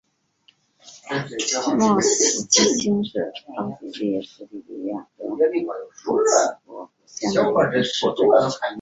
莫斯基兴是奥地利施蒂利亚州沃茨伯格县的一个市镇。